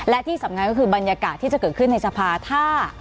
และที่สำคัญก็คือบรรยากาศที่จะเกิดขึ้นในสภาถ้า